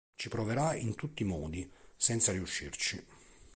Ci proverà in tutti i modi, senza riuscirci.